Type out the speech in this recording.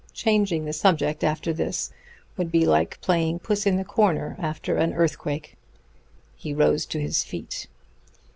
Changing the subject after this would be like playing puss in the corner after an earthquake." He rose to his feet.